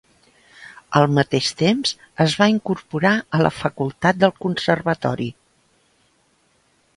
Al mateix temps, es va incorporar a la facultat del conservatori.